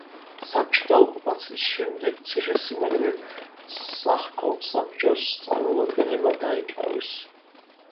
საბჭოთა ოკუპაციის შემდეგ ციხესიმაგრე სახკომსაბჭოს წარმომადგენლებმა დაიკავეს.